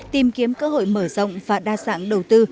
tìm kiếm cơ hội mở rộng và đa dạng đầu tư